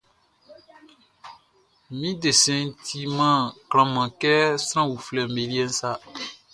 Mi desɛnʼn timan klanman kɛ sran uflɛʼm be liɛʼn sa.